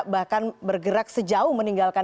bahkan bergerak sejauh meninggalkan